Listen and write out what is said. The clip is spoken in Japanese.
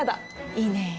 いいね。